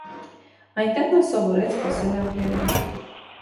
Այնտեղ նա սովորեց խոսել անգլերեն։